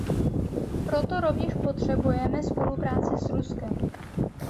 Proto rovněž potřebujeme spolupráci s Ruskem.